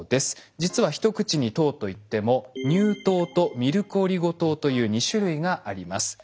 実は一口に糖といっても乳糖とミルクオリゴ糖という２種類があります。